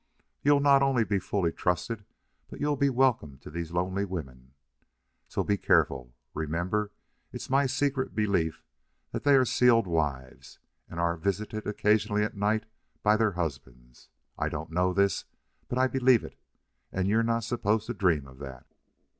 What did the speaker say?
You'll not only be fully trusted, but you'll be welcome to these lonely women. So be careful. Remember it's my secret belief they are sealed wives and are visited occasionally at night by their husbands. I don't know this, but I believe it. And you're not supposed to dream of that."